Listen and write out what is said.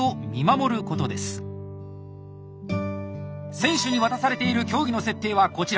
選手に渡されている競技の設定はこちら。